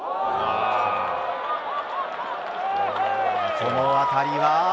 この当たりは。